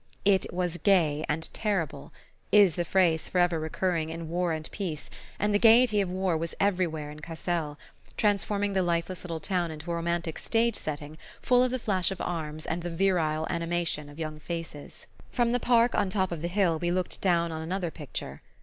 "It was gay and terrible," is the phrase forever recurring in "War and Peace"; and the gaiety of war was everywhere in Cassel, transforming the lifeless little town into a romantic stage setting full of the flash of arms and the virile animation of young faces. From the park on top of the hill we looked down on another picture.